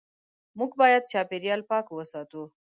موږ باید چاپېریال پاک وساتو.